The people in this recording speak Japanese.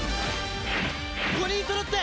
５人そろって。